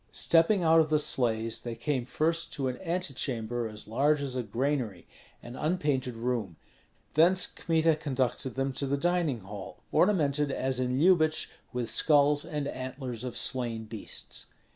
Stepping out of the sleighs, they came first to an antechamber as large as a granary, an unpainted room; thence Kmita conducted them to the dining hall, ornamented as in Lyubich with skulls and antlers of slain beasts.